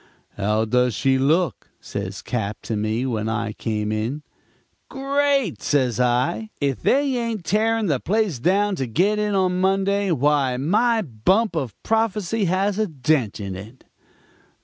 "'How does she look?' says Cap. to me when I came in. "'Great,' says I. 'If they ain't tearing the place down to get in on Monday, why my bump of prophecy has a dent in it.'